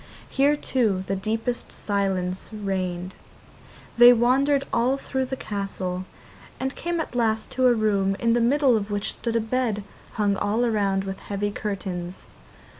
Here, too, the deepest silence reigned. They wandered all through the castle, and came at last to a room in the middle of which stood a bed hung all round with heavy curtains.